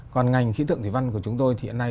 còn ngành khí tượng thủy văn của chúng tôi thì hiện nay